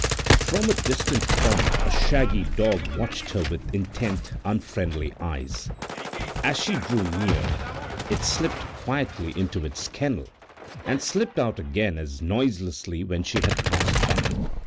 From a distant corner a shaggy dog watched her with intent unfriendly eyes; as she drew near it slipped quietly into its kennel, and slipped out again as noiselessly when she had passed by.